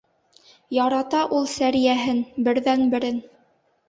Ярата ул Сәриәһен, берҙән-берен.